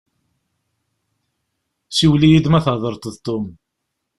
Siwel-iyi-d mi thedreḍ d Tom.